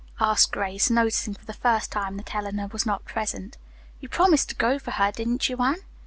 asked Grace, noticing for the first time that Eleanor was not present. "You promised to go for her, didn't you, Anne?"